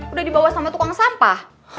udah dibawa sama tukang sampah